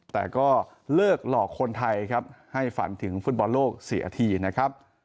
แต่ก็เลิกหลอกคนไทยครับให้ฝันถึงฟุตบอลโลกเสียทีนะครับ